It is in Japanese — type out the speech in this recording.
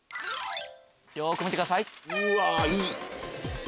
よく見てください。